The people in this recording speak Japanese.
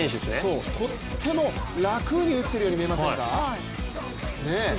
とっても楽に打ってるように見えませんか。